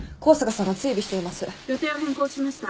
予定を変更しました。